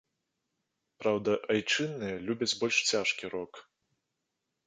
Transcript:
Праўда, айчынныя любяць больш цяжкі рок.